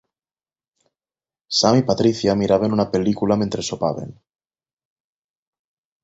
Sam i Patricia miraven una pel·lícula mentre sopaven.